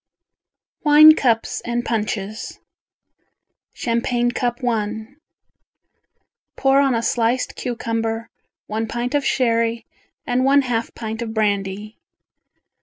WINE CUPS and PUNCHES Champagne Cup I Pour on a sliced cucumber one pint of sherry and one half pint of brandy.